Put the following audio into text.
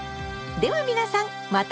では皆さんまた次回！